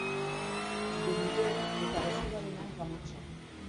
De Miguel eta gezurraren hanka motzak.